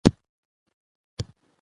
تاسي د سوداګرو امنیت وساتئ.